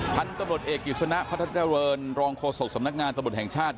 พันธุ์ตบริหารเอกสุณะพระทัศนาเรินรองโคศกสำนักงานตบริหารแห่งชาติ